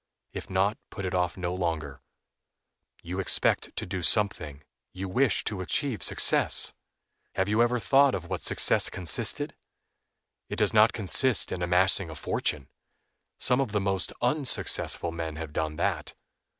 If not put it off no longer. You expect to do something, you wish to achieve success. Have you ever thought of what success consisted? It does not consist in amassing a fortune; some of the most unsuccessful men have done that.